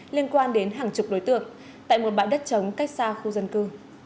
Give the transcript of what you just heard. liên quan đến hàng chục đối tượng tại một bãi đất trống cách xa khu dân cư